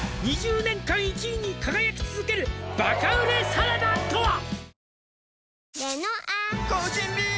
「２０年間１位に輝き続けるバカ売れサラダとは？」